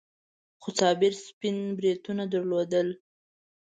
خو صابر سپين بریتونه درلودل.